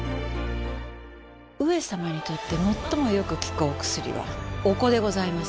上様にとってもっともよく効くお薬はお子でございます。